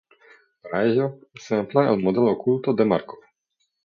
Para ello, se emplea el Modelo oculto de Márkov.